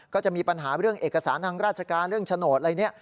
ก็จะมีปัญหาเรื่องเอกสารทางราชการเรื่องโฉนดอะไรเนี่ย